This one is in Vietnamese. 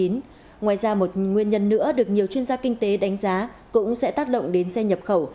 ngoài ra một nguyên nhân nữa được nhiều chuyên gia kinh tế đánh giá cũng sẽ tác động đến xe nhập khẩu